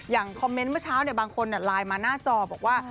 คอมเมนต์เมื่อเช้าบางคนไลน์มาหน้าจอบอกว่า